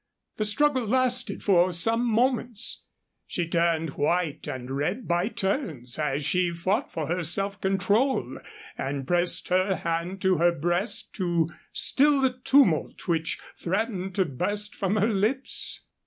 The struggle lasted for some moments. She turned white and red by turns as she fought for her self control and pressed her hand to her breast to still the tumult which threatened to burst from her lips.